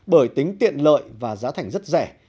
bởi tính tiện lợi và giá thành rất rẻ